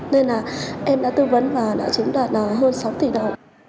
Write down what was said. nên là em đã tư vấn và đã chứng đạt hơn sáu tỷ đồng